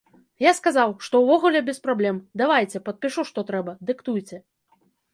Я сказаў, што ўвогуле без праблем, давайце, падпішу, што трэба, дыктуйце.